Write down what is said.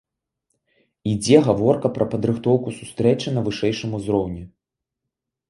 Ідзе гаворка пра падрыхтоўку сустрэчы на вышэйшым узроўні.